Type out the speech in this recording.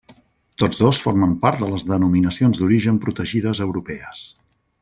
Tots dos formen part de les denominacions d'origen protegides europees.